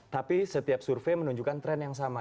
tapi setiap survei menunjukkan tren yang sama